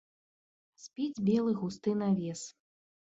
Спіць белы густы навес.